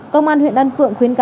công an huyện đan phượng khuyến cản